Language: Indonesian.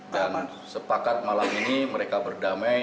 dan sepakat malam ini mereka berdamai